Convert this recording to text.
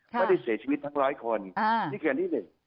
ไม่ได้เสียชีวิตทั้ง๑๐๐คนนี่คืออันที่๑